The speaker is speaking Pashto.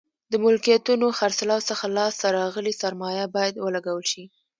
د ملکیتونو خرڅلاو څخه لاس ته راغلې سرمایه باید ولګول شي.